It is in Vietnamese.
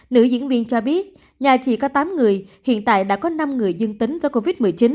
nữ diễn viên cho biết nhà chị có tám người hiện tại đã có năm người dương tính với covid một mươi chín